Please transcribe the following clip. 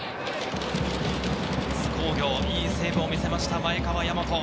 津工業、いいセーブを見せました前川大和。